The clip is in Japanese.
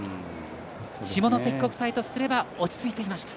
下関国際とすれば落ち着いていました。